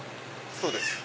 そうです。